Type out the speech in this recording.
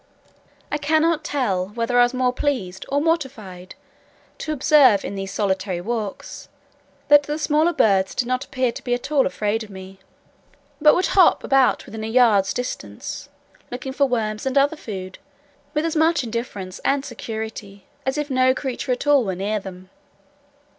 I cannot tell whether I were more pleased or mortified to observe, in those solitary walks, that the smaller birds did not appear to be at all afraid of me, but would hop about within a yard's distance, looking for worms and other food, with as much indifference and security as if no creature at all were near them.